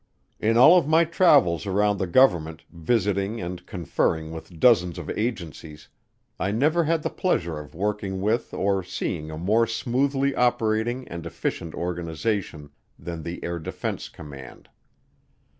In all of my travels around the government, visiting and conferring with dozens of agencies, I never had the pleasure of working with or seeing a more smoothly operating and efficient organization than the Air Defense Command.